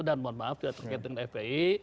dan mohon maaf tidak terkait dengan fpi